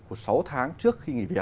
của sáu tháng trước khi nghỉ sinh